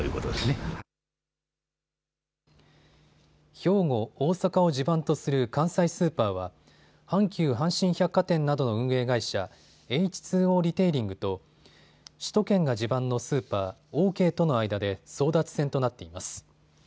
兵庫、大阪を地盤とする関西スーパーは阪急阪神百貨店などの運営会社、エイチ・ツー・オーリテイリングと首都圏が地盤のスーパー、オーケーとの間で争奪戦となっています。